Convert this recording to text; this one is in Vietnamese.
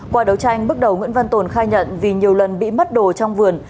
qua đấu tranh bước đầu nguyễn văn tồn khai nhận vì nhiều lần bị mất đồ trong vườn